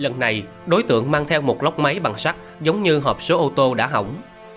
lần này đối tượng mang theo một lóc máy bằng sắt giống như hộp số ô tô đã hỏng